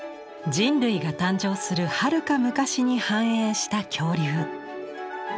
人類が誕生するはるか昔に繁栄した恐竜。